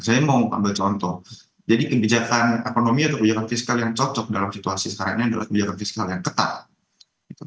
saya mau ambil contoh jadi kebijakan ekonomi atau kebijakan fiskal yang cocok dalam situasi sekarang ini adalah kebijakan fiskal yang ketat